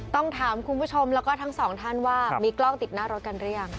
ต้องถามคุณผู้ชมแล้วก็ทั้งสองท่านว่ามีกล้องติดหน้ารถกันหรือยัง